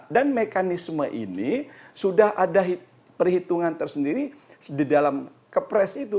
dan mekanisme ini sudah ada perhitungan tersendiri di dalam kepres itu